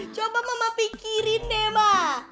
coba mama pikirin deh ma